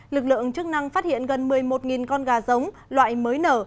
lực lượng chức năng phát hiện gần một mươi một con gà giống loại mới nở